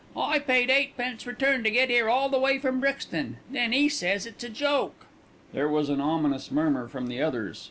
I paid eightpence return to get 'ere all the way from Brixton, then 'e says it's a joke." There was an ominous murmur from the others.